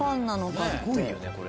すごいよねこれ。